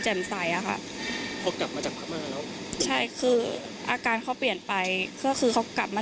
ใส่อะค่ะพอกลับมาจากพม่าแล้วใช่คืออาการเขาเปลี่ยนไปก็คือเขากลับมา